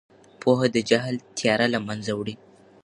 پوهه د جهل تیاره له منځه وړي.